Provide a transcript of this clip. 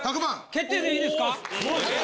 決定でいいですか？